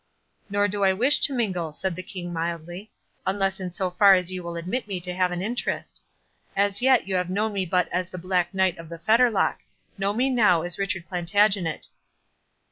"Nor do I wish to mingle," said the King, mildly, "unless in so far as you will admit me to have an interest. As yet you have known me but as the Black Knight of the Fetterlock—Know me now as Richard Plantagenet."